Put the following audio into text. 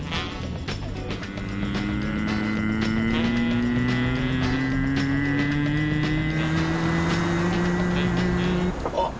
うんあっ！